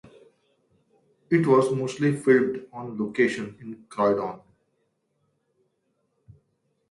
It was mostly filmed on location in Croydon.